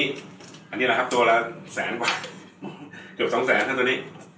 ตัวนี้ละครับตัวละแสนคือ๒แสน